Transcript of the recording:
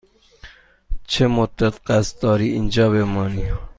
چه مدت قصد داری اینجا بمانی؟